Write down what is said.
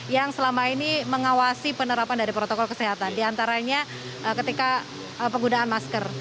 yang selama ini mengawasi penerapan dari protokol kesehatan diantaranya ketika penggunaan masker